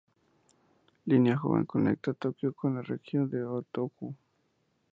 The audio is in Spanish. La línea Jōban conecta Tokio con la región de Tōhoku.